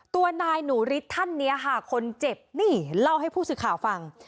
ตัวนายหนูฤทธิ์ท่านนี้ค่ะคนเจ็บนี่เล่าให้ผู้สื่อข่าวฟัง